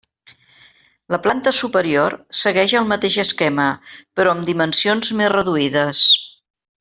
La planta superior segueix el mateix esquema, però amb dimensions més reduïdes.